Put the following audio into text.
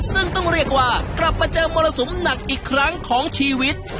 ซึ่งต้องเรียกว่ากลับมาเจอมรสุมหนักอีกครั้งของชีวิต